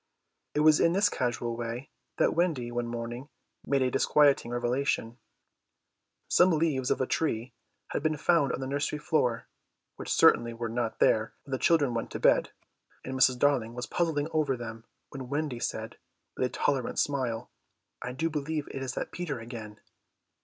It was in this casual way that Wendy one morning made a disquieting revelation. Some leaves of a tree had been found on the nursery floor, which certainly were not there when the children went to bed, and Mrs. Darling was puzzling over them when Wendy said with a tolerant smile: "I do believe it is that Peter again!"